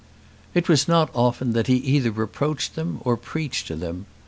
It was not often that he either reproached them or preached to them.